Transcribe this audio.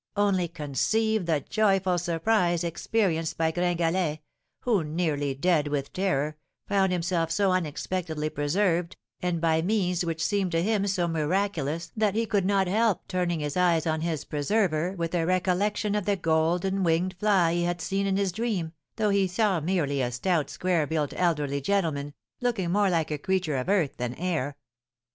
Only conceive the joyful surprise experienced by Gringalet, who, nearly dead with terror, found himself so unexpectedly preserved, and by means which seemed to him so miraculous that he could not help turning his eyes on his preserver, with a recollection of the golden winged fly he had seen in his dream, though he saw merely a stout, square built, elderly gentleman, looking more like a creature of earth than air."